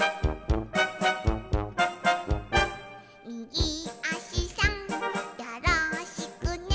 「みぎあしさんよろしくね」